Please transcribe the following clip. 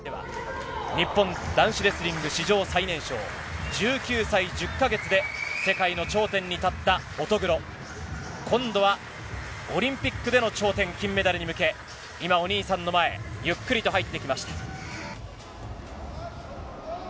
日本男子レスリング史上最年少、１９歳１０カ月で世界の頂点に立った乙黒、今度はオリンピックでの頂点、金メダルに向け、今、お兄さんの前をゆっくりと入っていきました。